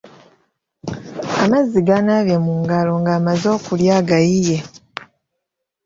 Amazzi g’anaabye mu ngalo nga amaze okulya agayiye.